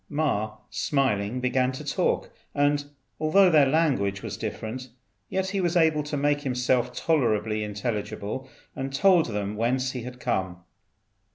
Ma, smiling, began to talk; and although their language was different, yet he was able to make himself tolerably intelligible, and told them whence he had come.